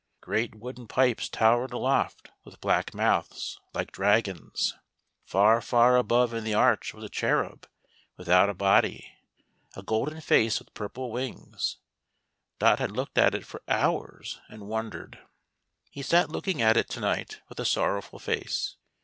Great wooden pipes towered aloft with black mouths — like dragons. Far, far above in the arch was a cherub, without a body — a golden face with purple wings. Dot had looked at it for hours, and wondered. He sat looking at it to night with a sorrowful face.